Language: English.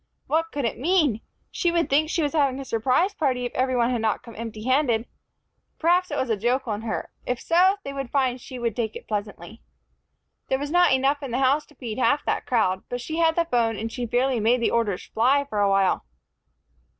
What could it mean? She would think she was having a surprise party if every one had not come empty handed. Perhaps it was a joke on her. If so, they would find she would take it pleasantly. There was not enough in the house to feed half that crowd, but she had the phone, and she fairly made the orders fly for a while.